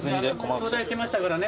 頂戴しましたからね。